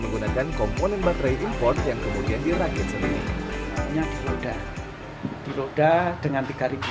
menggunakan komponen baterai import yang kemudian dirakit sendiri diroda dengan tiga ribu